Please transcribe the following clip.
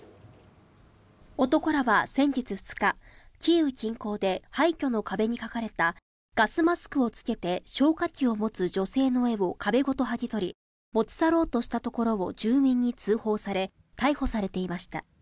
男らは先月２日キーウ近郊で廃墟の壁に描かれたガスマスクをつけて消火器を持つ女性の画を壁ごとはぎ取り持ち去ろうとしたところを住民に通報され逮捕されていました。